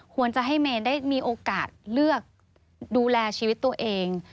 ควรจะให้เมนได้มีโอกาสเลือกดูแลชีวิตตัวเอง